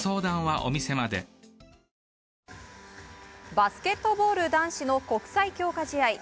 バスケットボール男子の国際強化試合。